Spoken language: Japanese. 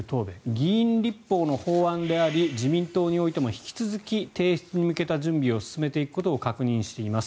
議員立法の法案であり自民党においても引き続き、提出に向けた準備を進めていくことを確認しています